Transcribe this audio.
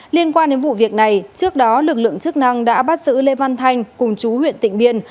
liên quan đến vụ việc này trước đó lực lượng chức năng đã bắt giữ lê văn thanh cùng chú huyện tịnh biên